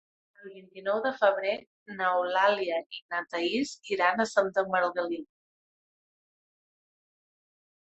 El vint-i-nou de febrer n'Eulàlia i na Thaís iran a Santa Margalida.